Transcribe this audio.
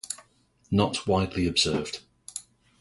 Not widely observed.